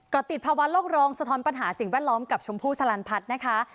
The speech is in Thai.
ก็ติดภาวะโลกร้องสะท้อนปัญหาสิ่งแวดล้อมกับชมพู่สลันพัฒน์นะคะ